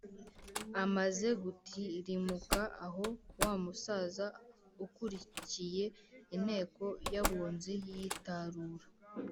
Amaze gutirimuka aho, wa musaza ukuriye inteko y’abunzi yitarura